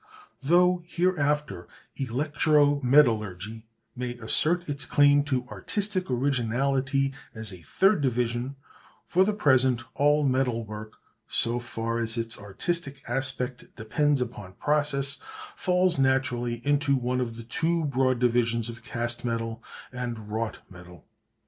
Though hereafter electro metallurgy may assert its claim to artistic originality as a third division, for the present all metal work, so far as its artistic aspect depends upon process, falls naturally into one of the two broad divisions of cast metal and wrought metal.